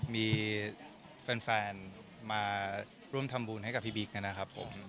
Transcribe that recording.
มีแฟนมาร่วมทำบุญให้กับพี่บิ๊กนะครับผม